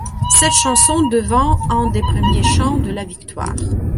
Cette chanson devint un des premiers chants de la victoire.